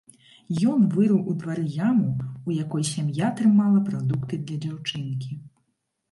Ён вырыў у двары яму, у якой сям'я трымала прадукты для дзяўчынкі.